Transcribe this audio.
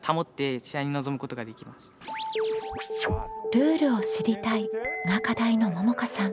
「ルールを知りたい」が課題のももかさん。